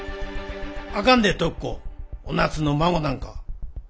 あかんで徳子お夏の孫なんか。